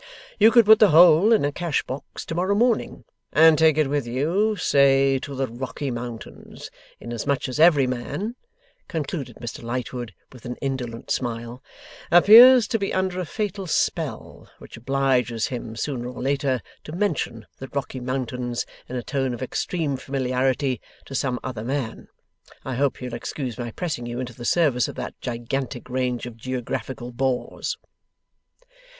You could put the whole in a cash box to morrow morning, and take it with you to say, to the Rocky Mountains. Inasmuch as every man,' concluded Mr Lightwood, with an indolent smile, 'appears to be under a fatal spell which obliges him, sooner or later, to mention the Rocky Mountains in a tone of extreme familiarity to some other man, I hope you'll excuse my pressing you into the service of that gigantic range of geographical bores.